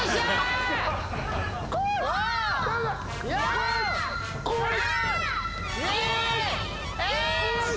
怖い。